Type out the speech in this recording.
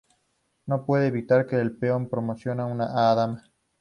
No pueden evitar que el peón promociona a Dama.